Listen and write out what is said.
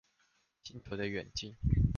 星球的遠近